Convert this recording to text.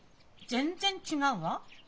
全然違うわ！